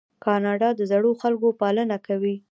کاناډا د زړو خلکو پالنه کوي.